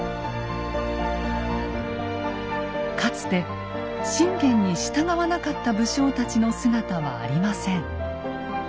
かつて信玄に従わなかった武将たちの姿はありません。